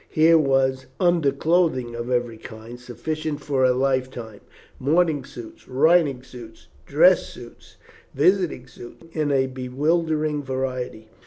Here was underclothing of every kind, sufficient for a life time; morning suits, riding suits, dress suits, visiting suits, in bewildering variety.